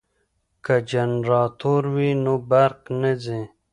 که جنراتور وي نو برق نه ځي.